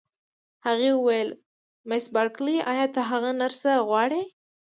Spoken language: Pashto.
هغې وویل: مس بارکلي، ایا ته هغه نرسه غواړې؟